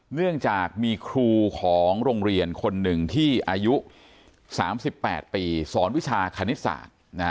เนื่องจากมีครูของโรงเรียนคนหนึ่งที่อายุ๓๘ปีสอนวิชาคณิตศาสตร์